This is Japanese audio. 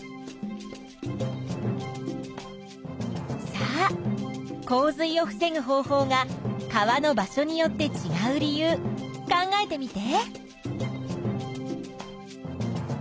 さあ洪水を防ぐ方法が川の場所によってちがう理由考えてみて。